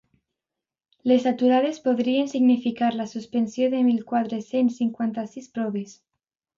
Les aturades podrien significar la suspensió de mil quatre-cents cinquanta-sis proves.